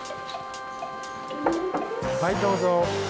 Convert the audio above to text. ・はいどうぞ。